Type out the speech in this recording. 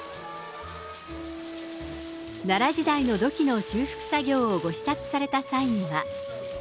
奈良時代の土器の修復作業をご視察された際には。